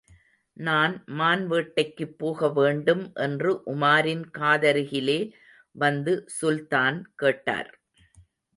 நான் மான் வேட்டைக்குப் போக வேண்டும் என்று உமாரின் காதருகிலே வந்து சுல்தான் கேட்டார்.